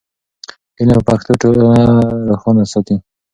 علم په پښتو ټولنه روښانه ساتي.